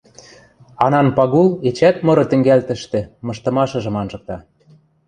Анан Пагул эчеӓт мыры тӹнгӓлтӹштӹ мыштымашыжым анжыкта.